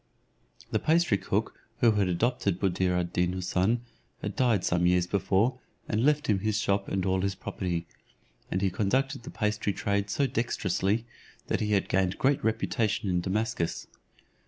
The pastry cook who had adopted Buddir ad Deen Houssun had died some years before, and left him his shop and all his property, and he conducted the pastry trade so dexterously, that he had gained great reputation in Damascus.